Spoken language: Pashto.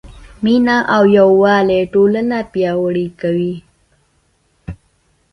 مینه او یووالی ټولنه پیاوړې کوي.